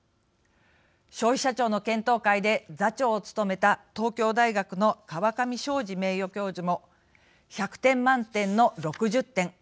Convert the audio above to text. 消費者庁の検討会で座長を務めた東京大学の河上正二名誉教授も「１００点満点の６０点。